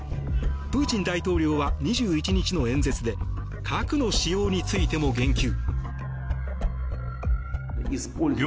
プーチン大統領は２１日の演説で核の使用についても言及。